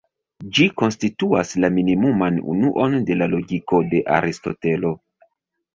Ĝi konstituas la minimuman unuon de la logiko de Aristotelo.